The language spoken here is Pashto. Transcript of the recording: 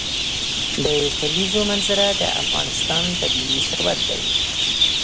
د کلیزو منظره د افغانستان طبعي ثروت دی.